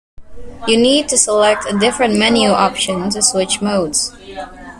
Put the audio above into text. You need to select a different menu option to switch modes.